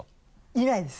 いないです。